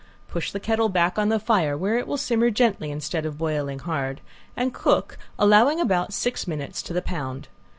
Push the kettle back on the fire (where it will simmer gently, instead of boiling hard) and cook, allowing about six minutes to the pound.